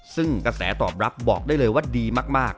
ซึ่งกระแสตอบรับบอกได้เลยว่าดีมาก